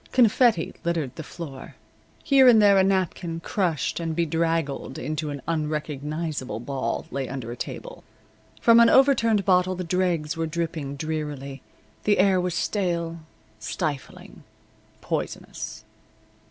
Confetti littered the floor. Here and there a napkin, crushed and bedraggled into an unrecognizable ball, lay under a table. From an overturned bottle the dregs were dripping drearily. The air was stale, stifling, poisonous.